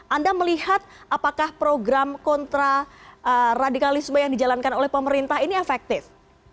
anda melihat apakah program kontra radikalisme yang dijalankan oleh pemerintah ini efektif